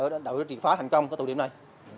để đổi trị phá thành công của tụ điểm này